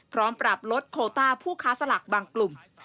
พร้อมปรับลดโคต้าผู้ค้าสลากบางกลุ่ม